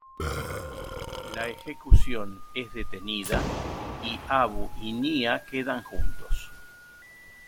La ejecución es detenida, y Abu y Nya quedan juntos.